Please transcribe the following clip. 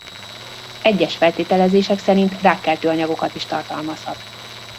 Egyes feltételezések szerint rákkeltő anyagokat is tartalmazhat.